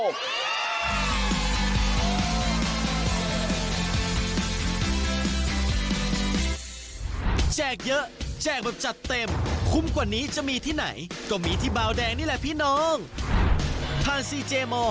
เบาแดงช่วยคนไทยสร้างอาชีพปี๒